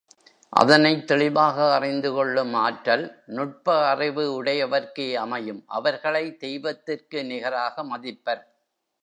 அதனைத் தெளிவாக அறிந்துகொள்ளும் ஆற்றல் நுட்ப அறிவு உடையவர்க்கே அமையும் அவர்களைத் தெய்வத்துக்கு நிகராக மதிப்பர்.